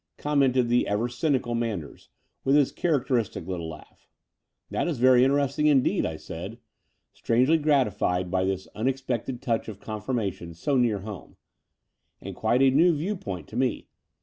commented the ever cynical Manders, with his characteristic little laugh. "That is veiy interesting indeed," I said, strangely gratified by this unexpected touch of confirmation so near home, " and quite a new view point to me.